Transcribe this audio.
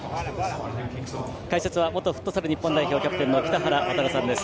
解説は元フットサル日本代表キャプテンの北原亘さんです。